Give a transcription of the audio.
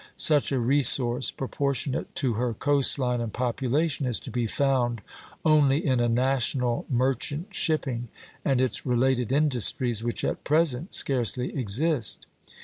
Such a resource, proportionate to her coast line and population, is to be found only in a national merchant shipping and its related industries, which at present scarcely exist.